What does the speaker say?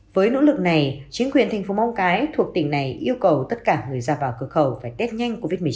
với nỗ lực này chính quyền tp hcm thuộc tỉnh này yêu cầu tất cả người ra vào cửa khẩu phải test nhanh covid một mươi chín